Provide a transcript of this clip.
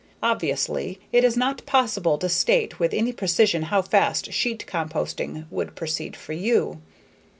Obviously, it is not possible to state with any precision how fast sheet composting would proceed for you.